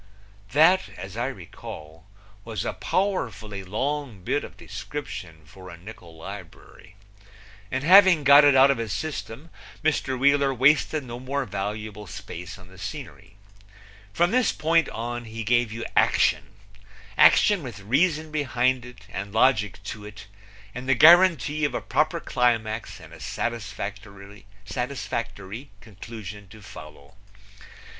That, as I recall, was a powerfully long bit of description for a nickul librury, and having got it out of his system Mr. Wheeler wasted no more valuable space on the scenery. From this point on he gave you action action with reason behind it and logic to it and the guaranty of a proper climax and a satisfactory conclusion to follow.